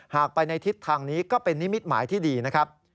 หากไปในทิศทางนี้ก็เป็นนิมิตหมายที่ดีนะครับ